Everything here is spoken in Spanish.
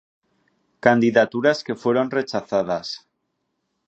Candidaturas que fueron rechazadas.